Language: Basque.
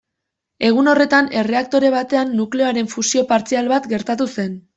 Egun horretan erreaktore batean nukleoaren fusio partzial bat gertatu zen.